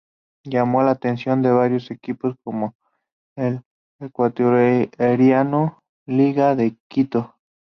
Llamó la atención de varios equipos como el ecuatoriano Liga de Quito.